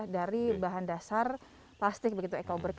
dari bahan dasar plastik begitu ecoberg